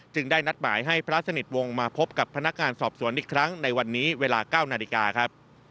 ได้นัดหมายให้พระสนิทวงศ์มาพบกับพนักงานสอบสวนอีกครั้งในวันนี้เวลา๙นาฬิกาครับ